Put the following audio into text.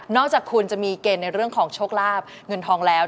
อกจากคุณจะมีเกณฑ์ในเรื่องของโชคลาบเงินทองแล้ว